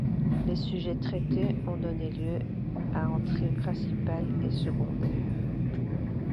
Les sujets traités ont donné lieu à entrées principales et secondaires.